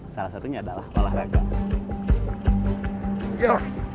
salah satunya adalah olahraga